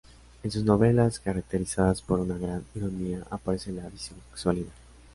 En sus novelas, caracterizadas por una gran ironía, aparece la bisexualidad.